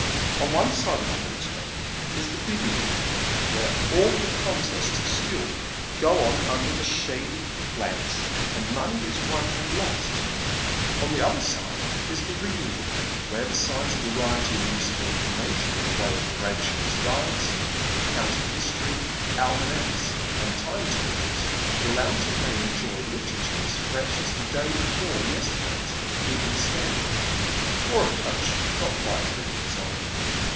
On one side of the hotel is the billiard room, where awful contests of skill go on under the shaded lamps, and money is wob Toum Talk. 169 tftd loBt. On the other side is the reading room, where, besides a variety of useful information in the way of Bradshaw's guides, the county history, almanacks, and time tafbles, the lounger may enjoy literature as fresh as the day before yesterday's Evening Standard, or a Punch not quite three weeks old.